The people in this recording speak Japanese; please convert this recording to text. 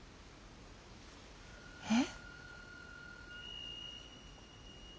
えっ？